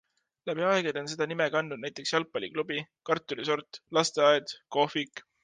Läbi aegade on seda nime kandnud näiteks jalgpalliklubi, kartulisort, lasteaed, kohvik...